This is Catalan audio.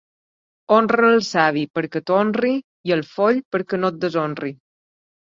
Honra el savi perquè t'honri i el foll perquè no et deshonri.